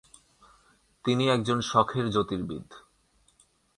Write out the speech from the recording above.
তিনি একজন শখের জ্যোতির্বিদ।